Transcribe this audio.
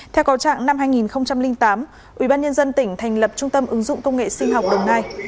theo cầu trạng năm hai nghìn tám ubnd tỉnh thành lập trung tâm ứng dụng công nghệ sinh học đồng nai